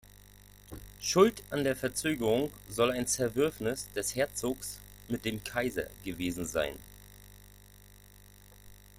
Schuld an der Verzögerung soll ein Zerwürfnis des Herzogs mit dem Kaiser gewesen sein.